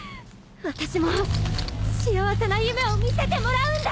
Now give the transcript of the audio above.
私も幸せな夢を見せてもらうんだ！